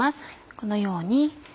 このように。